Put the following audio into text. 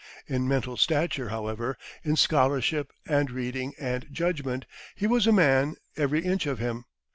In mental stature, however, in scholarship and reading and judgment, he was a man, every inch of him.